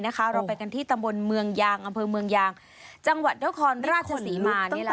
เรื่องราวเป็นยังไงกันที่ตำนวนเมืองยางอำเภอเมืองยางจังหวัดเทศครรภ์ราชศรีมานี่แหละค่ะ